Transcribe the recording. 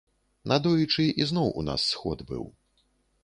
Надоечы ізноў у нас сход быў.